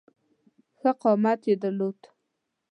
ښه قامت یې درلود.